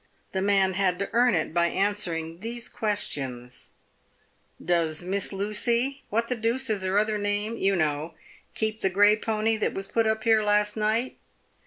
The man had to earn it by answering these questions :" Does Miss Lucy — what the deuce is her other name? — you know — keep the grey pony that was put up here last night